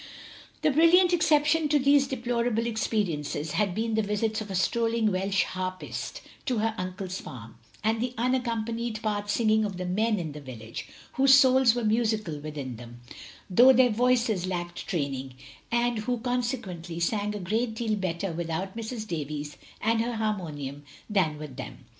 The brilliant exception to these deplorable experiences had been the visits of a strolling Welsh harpist to her uncle's farm, and the un accompanied part singing of the men in the village, whose souls were musical within them, though their voices lacked training, and who con sequently sang a great deal better without Mrs. Davies and her harmonium than with them.